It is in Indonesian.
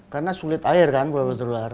karena sulit air kan pulau pulau terluar